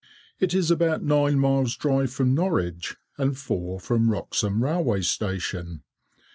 It is about nine miles drive from Norwich, and four from Wroxham railway station.